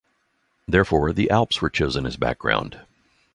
Therefore, the Alps were chosen as background.